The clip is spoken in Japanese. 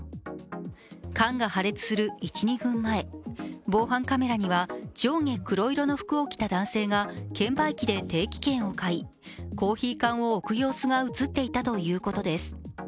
缶が破裂する１２分前、防犯カメラには上下黒色の服を着た男性が券売機で定期券を買いコーヒー缶を置く様子が映っていたということです。